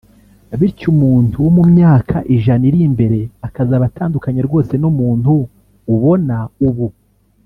bityo umuntu wo mumyaka ijana iri imbere akazaba atandukanye rwose n’umuntu ubona ubu